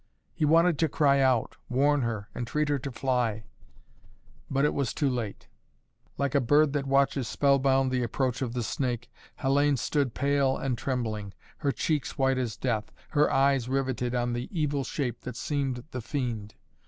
He wanted to cry out, warn her, entreat her to fly. But it was too late. Like a bird that watches spellbound the approach of the snake, Hellayne stood pale and trembling her cheeks white as death her eyes riveted on the evil shape that seemed the fiend.